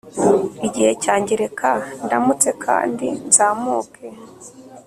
igihe cyanjye reka ndamutse kandi nzamuke